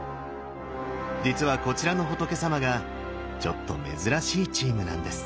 実はこちらの仏さまがちょっと珍しいチームなんです。